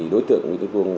đối tượng nguyễn thị phương